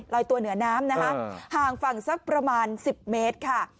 ลอยตัวเหนือน้ำนะคะห่างฝั่งสักประมาณ๑๐เมตรค่ะ